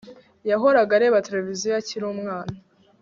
Yahoraga areba televiziyo akiri umwana